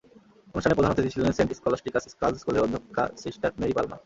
অনুষ্ঠানে প্রধান অতিথি ছিলেন সেন্ট স্কলাসটিকাস গার্লস স্কুলের অধ্যক্ষা সিস্টার মেরি পালমা।